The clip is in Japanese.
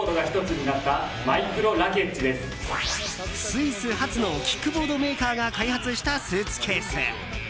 スイス発のキックボードメーカーが開発したスーツケース。